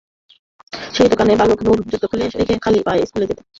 সেই দোকানে বালক নূর জুতা খুলে রেখে খালি পায়ে স্কুলে যেতেন।